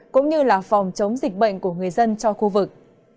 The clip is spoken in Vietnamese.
cũng như là phòng chống dịch bệnh của người dân cho khu vực